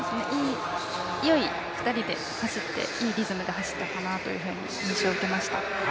よい２人で走っていいリズムで走った印象を受けました。